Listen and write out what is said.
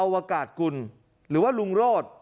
วกาศกุลหรือว่าลุงโรธ